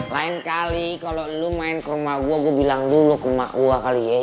lain kali kalau lu main ke rumah gue gue bilang dulu ke emak gue kali ya